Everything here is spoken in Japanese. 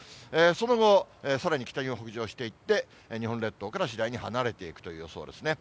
その後、さらに北に北上していって、日本列島から次第に離れていくという予想ですね。